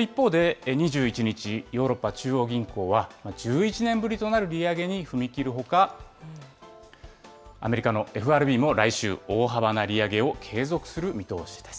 一方で、２１日、ヨーロッパ中央銀行は、１１年ぶりとなる利上げに踏み切るほか、アメリカのＦＲＢも来週、大幅な利上げを継続する見通しです。